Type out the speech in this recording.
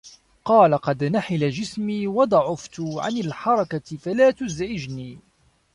قَالَ قَدْ نَحِلَ جِسْمِي وَضَعُفْتُ عَنْ الْحَرَكَةِ فَلَا تُزْعِجُنِي